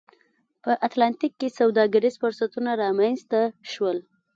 په اتلانتیک کې سوداګریز فرصتونه رامنځته شول